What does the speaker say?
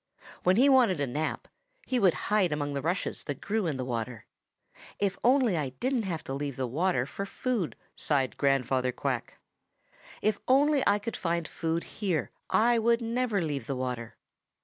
When he wanted a nap, he would hide among the rushes that grew in the water. 'If only I didn't have to leave the water for food!' sighed Grandfather Quack. 'If only I could find food here, I would never leave the water.'